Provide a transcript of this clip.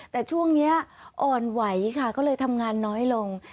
แต่ช่วงนี้อ่อนไหวค่ะก็เลยทำงานน้อยลง